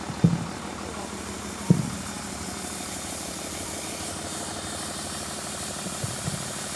Ugonjwa wa kuhara sana humpata ngamia